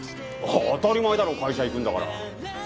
当たり前だろ会社行くんだから。